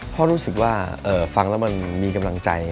เพราะรู้สึกว่าฟังแล้วมันมีกำลังใจ